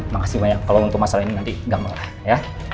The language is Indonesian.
makasih banyak kalau untuk masalah ini nanti gampang lah ya